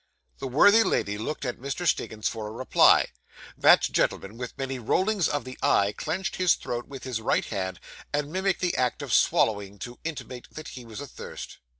The worthy lady looked at Mr. Stiggins for a reply; that gentleman, with many rollings of the eye, clenched his throat with his right hand, and mimicked the act of swallowing, to intimate that he was athirst.